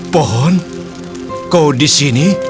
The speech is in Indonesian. pohon kau di sini